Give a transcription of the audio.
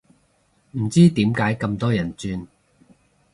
唔知點解咁多人轉